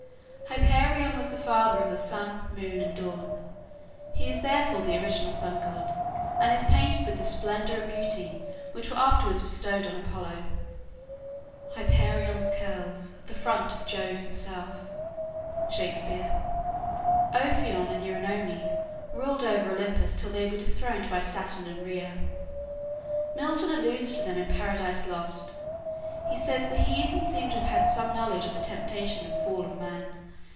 Hyperion was the father of the Sun, Moon, and Dawn. He is therefore the original sun god, and is painted with the splendor and beauty which were afterwards bestowed on Apollo. "Hyperion's curls, the front of Jove himself" Shakspeare. Ophion and Eurynome ruled over Olympus till they were dethroned by Saturn and Rhea. Milton alludes to them in "Paradise Lost." He says the heathens seem to have had some knowledge of the temptation and fall of man.